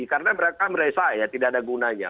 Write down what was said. karena mereka meresah ya tidak ada gunanya